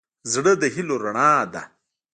زړه د هيلو رڼا ده.